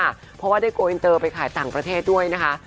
เพราะว่าได้โกอินเตอร์ไปขายต่างประเทศด้วยนะคะ